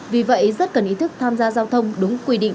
vì vậy rất cần ý thức tham gia giao thông đúng quy định